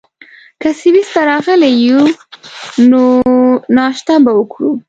که سویس ته راغلي یو، نو ناشته به وکړو.